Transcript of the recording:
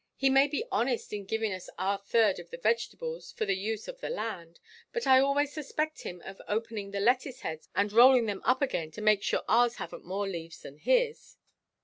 "He may be honest in giving us our third of the vegetables for the use of the land, but I always suspect him of opening the lettuce heads and rolling them up again to make sure ours haven't more leaves than his."